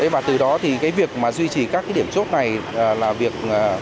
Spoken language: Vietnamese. và từ đó thì cái việc mà duy trì các cái điểm chốt này là việc